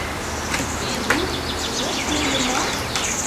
— Лизук, чот пурльо мо?